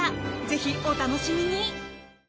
ぜひお楽しみに。